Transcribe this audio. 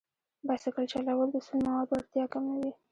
بایسکل چلول د سون موادو اړتیا کموي.